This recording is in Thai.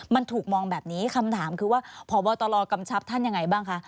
มันถูกมองแบบนี้คำถามคือว่าพบตรกำชับท่านยังไงบ้างคะ